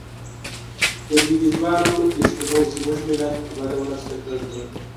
د لوېديځوالو بسپنو زموږ ملت په بده ورځ ککړ کړ.